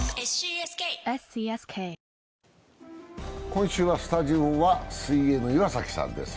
今週はスタジオは水泳の岩崎さんです。